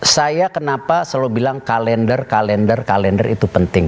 saya kenapa selalu bilang kalender kalender kalender itu penting